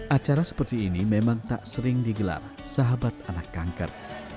acara seperti ini memang tak sering digelar sahabat anak kanker